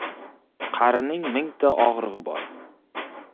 • Qarining mingta og‘rig‘i bor.